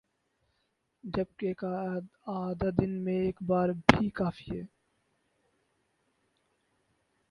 جبکہ کا اعادہ دن میں ایک بار بھی کافی ہے